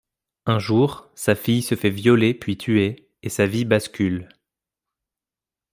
Un jour, sa fille se fait violer puis tuer et sa vie bascule.